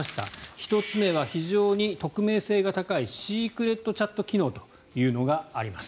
１つ目は非常に匿名性が高いシークレットチャット機能というのがあります。